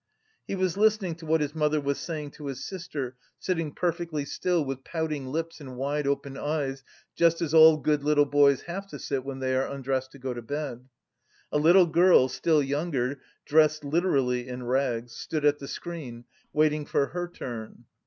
He was listening to what his mother was saying to his sister, sitting perfectly still with pouting lips and wide open eyes, just as all good little boys have to sit when they are undressed to go to bed. A little girl, still younger, dressed literally in rags, stood at the screen, waiting for her turn.